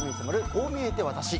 こう見えてワタシ。